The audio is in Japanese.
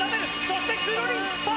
そしてくるりんぱ！